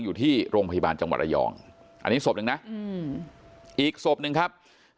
อยู่ที่โรงพยาบาลจังหวัดระยองอันนี้ศพหนึ่งนะอีกศพหนึ่งครับ